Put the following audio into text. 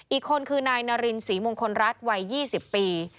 อีกคนคือนายนารินศรีมงคลรัศงศ์วัยยี่สิบปี